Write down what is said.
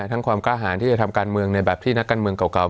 ทั้งความกล้าหารที่จะทำการเมืองในแบบที่นักการเมืองเก่า